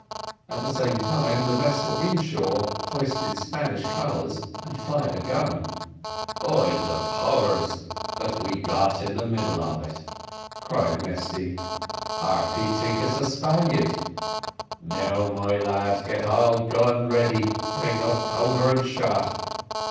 At the same time the vessel in shore hoisted Spanish colours, and fired a gun. "By de powers, but we got in the middle of it," cried Mesty; "Harpy tink us Spaniard. Now, my lads, get all gun ready, bring up powder and shot.